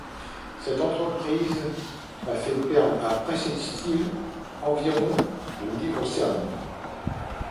Cette entreprise a fait perdre à Pressed Steel environ de livres sterling.